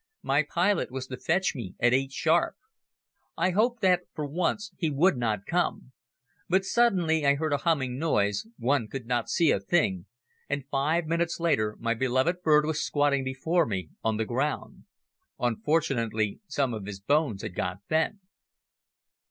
My pilot was to fetch me at eight sharp. I hoped that for once he would not come. But suddenly I heard a humming noise one could not see a thing and five minutes later my beloved bird was squatting before me on the ground. Unfortunately some of his bones had got bent.